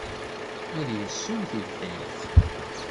Ad yessew tibḥirt.